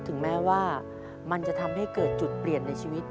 ถึงแม้ว่ามันจะทำให้เกิดจุดเปลี่ยนในชีวิต